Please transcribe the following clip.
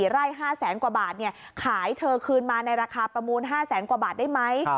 ไร่๕แสนกว่าบาทขายเธอคืนมาในราคาประมูล๕แสนกว่าบาทได้ไหม